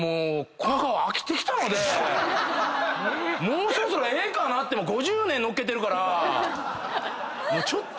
もうそろそろええかなって５０年のっけてるから。